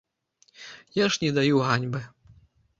Я ж не даю ганьбы.